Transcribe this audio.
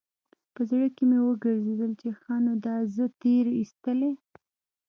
په زړه کښې مې وګرځېدل چې ښه نو دا زه تېر ايستلى.